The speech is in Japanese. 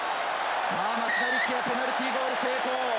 さあ、松田力也、ペナルティーゴール成功。